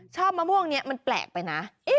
มะม่วงนี้มันแปลกไปนะ